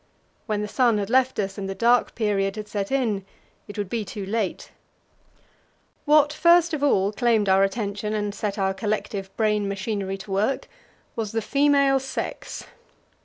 When the sun had left us, and the dark period had set in, it would be too late. What first of all claimed our attention and set our collective brain machinery to work was the female sex.